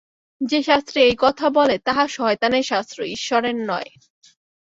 যে শাস্ত্রে এই কথা বলে, তাহা শয়তানের শাস্ত্র, ঈশ্বরের নয়।